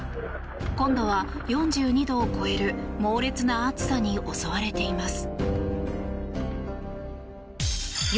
今度は４２度を超える猛烈な暑さに襲われています。